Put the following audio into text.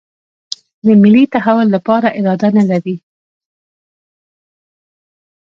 د ملي تحول لپاره اراده نه لري.